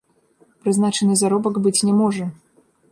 Прызначаны заробак быць не можа.